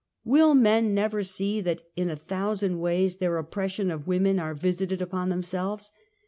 "Will men never see that in a thousand ways their oppression of women are visited upon themselves